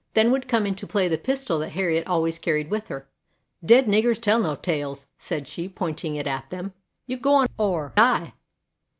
Then would come into play the pistol that Harriet always carried with her. "Dead niggers tell no tales," said she, pointing it at them; "you go on or die!"